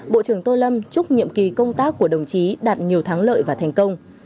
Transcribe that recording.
bộ trưởng tô lâm chúc nhiệm kỳ công tác của đồng chí đạt nhiều thắng lợi và thành công